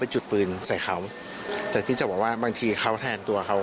จุดปืนใส่เขาแต่พี่จะบอกว่าบางทีเขาแทงตัวเขา